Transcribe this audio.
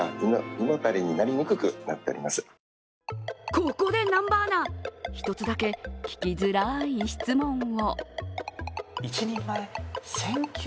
ここで南波アナ、１つだけ聞きづらい質問を。